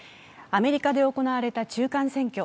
アメリカで行われた中間選挙。